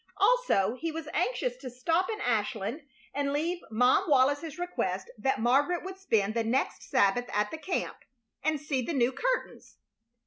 Also, he was anxious to stop in Ashland and leave Mom Wallis's request that Margaret would spend the next Sabbath at the camp and see the new curtains.